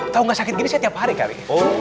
tau gak sakit gini setiap hari kali